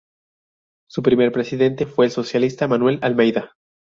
Su primer presidente fue el socialista Manuel Almeyda.